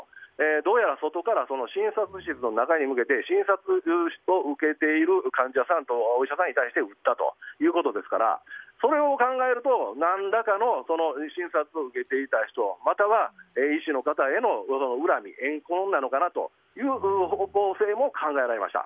どうやら外から診察室の中へ向けて診察を受けている患者さんとお医者さんに対して撃ったということですからそれを考えると何らかの診察を受けていた人または医師の方への恨み怨恨なのかなという方向性も考えられました。